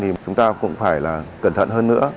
thì chúng ta cũng phải là cẩn thận hơn nữa